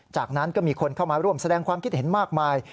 จากนั้นก็มีคนเข้ามาร่วมแสดงความคิดเห็นมากมาย